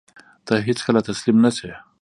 ته هېڅکله تسلیم نه شې.